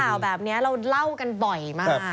ข่าวแบบนี้เราเล่ากันบ่อยมาก